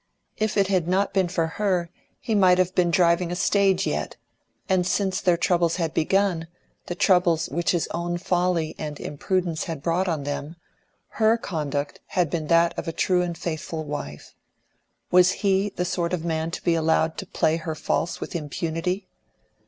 If it had not been for her, he might have been driving stage yet; and since their troubles had begun, the troubles which his own folly and imprudence had brought on them, her conduct had been that of a true and faithful wife. Was HE the sort of man to be allowed to play her false with impunity?